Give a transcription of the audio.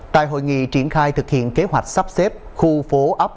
tại hội nghị triển khai thực hiện kế hoạch sắp xếp khu phố ấp